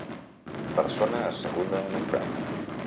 Persona asseguda en un prat.